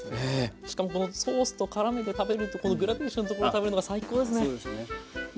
しかもこのソースと絡めて食べるとこのグラデーションとこう食べるのが最高ですね。